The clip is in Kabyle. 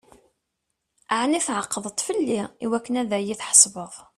Ɛni tεeqdeḍ-t fell-i akken ad yi-d-tḥesbeḍ?